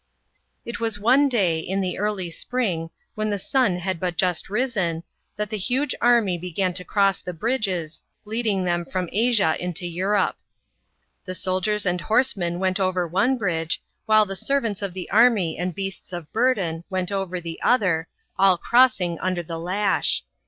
It was one day, in the early spring, when the sun had but just risen, that the huge army began to cross the bridges, leading them from Asia into Europe. The soldiers and horsemen went over one bridge, while the servants of the army and beasts of burden, went .over the other, all crossing under the lash.